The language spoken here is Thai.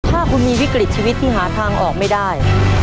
ถ้าคุณมีวิกฤตชีวิตที่หาทางออกไม่ได้